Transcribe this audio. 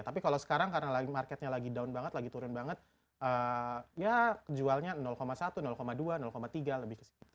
tapi kalau sekarang karena lagi marketnya lagi down banget lagi turun banget ya jualnya satu dua tiga lebih ke sini